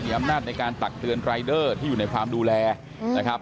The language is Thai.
อำนาจในการตักเตือนรายเดอร์ที่อยู่ในความดูแลนะครับ